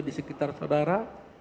di sekitar saudara